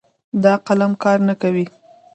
دا قلم کار نه کوي